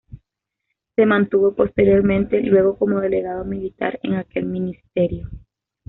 Se mantuvo posteriormente luego como delegado militar en aquel ministerio.